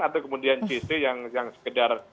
atau kemudian cc yang sekedar